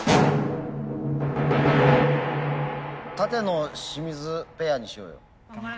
舘野清水ペアにしようよ。